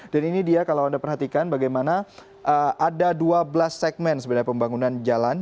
dan ini dia kalau anda perhatikan bagaimana ada dua belas segmen sebenarnya pembangunan jalan